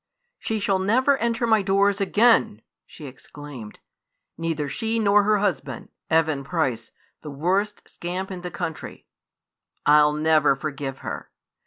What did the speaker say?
"She shall never enter my doors again!" she exclaimed; "neither she nor her husband, Evan Price the worst scamp in the country! I 'll never forgive her.